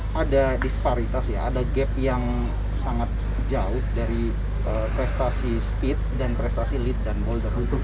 ada disparitas ya ada gap yang sangat jauh dari prestasi speed dan prestasi lead dan boulder